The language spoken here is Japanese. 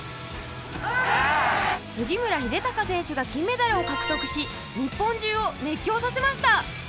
杉村英孝選手が金メダルをかくとくし日本中をねっきょうさせました。